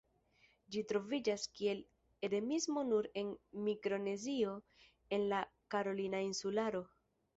Ĝi troviĝas kiel endemismo nur en Mikronezio en la Karolina insularo.